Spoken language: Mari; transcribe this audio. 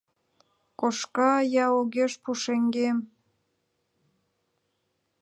Кошка я огеш пушеҥгем —